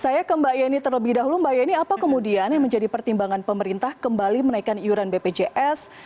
saya ke mbak yeni terlebih dahulu mbak yeni apa kemudian yang menjadi pertimbangan pemerintah kembali menaikkan iuran bpjs